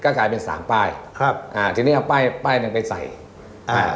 กลายเป็นสามป้ายครับอ่าทีนี้เอาป้ายป้ายหนึ่งไปใส่อ่า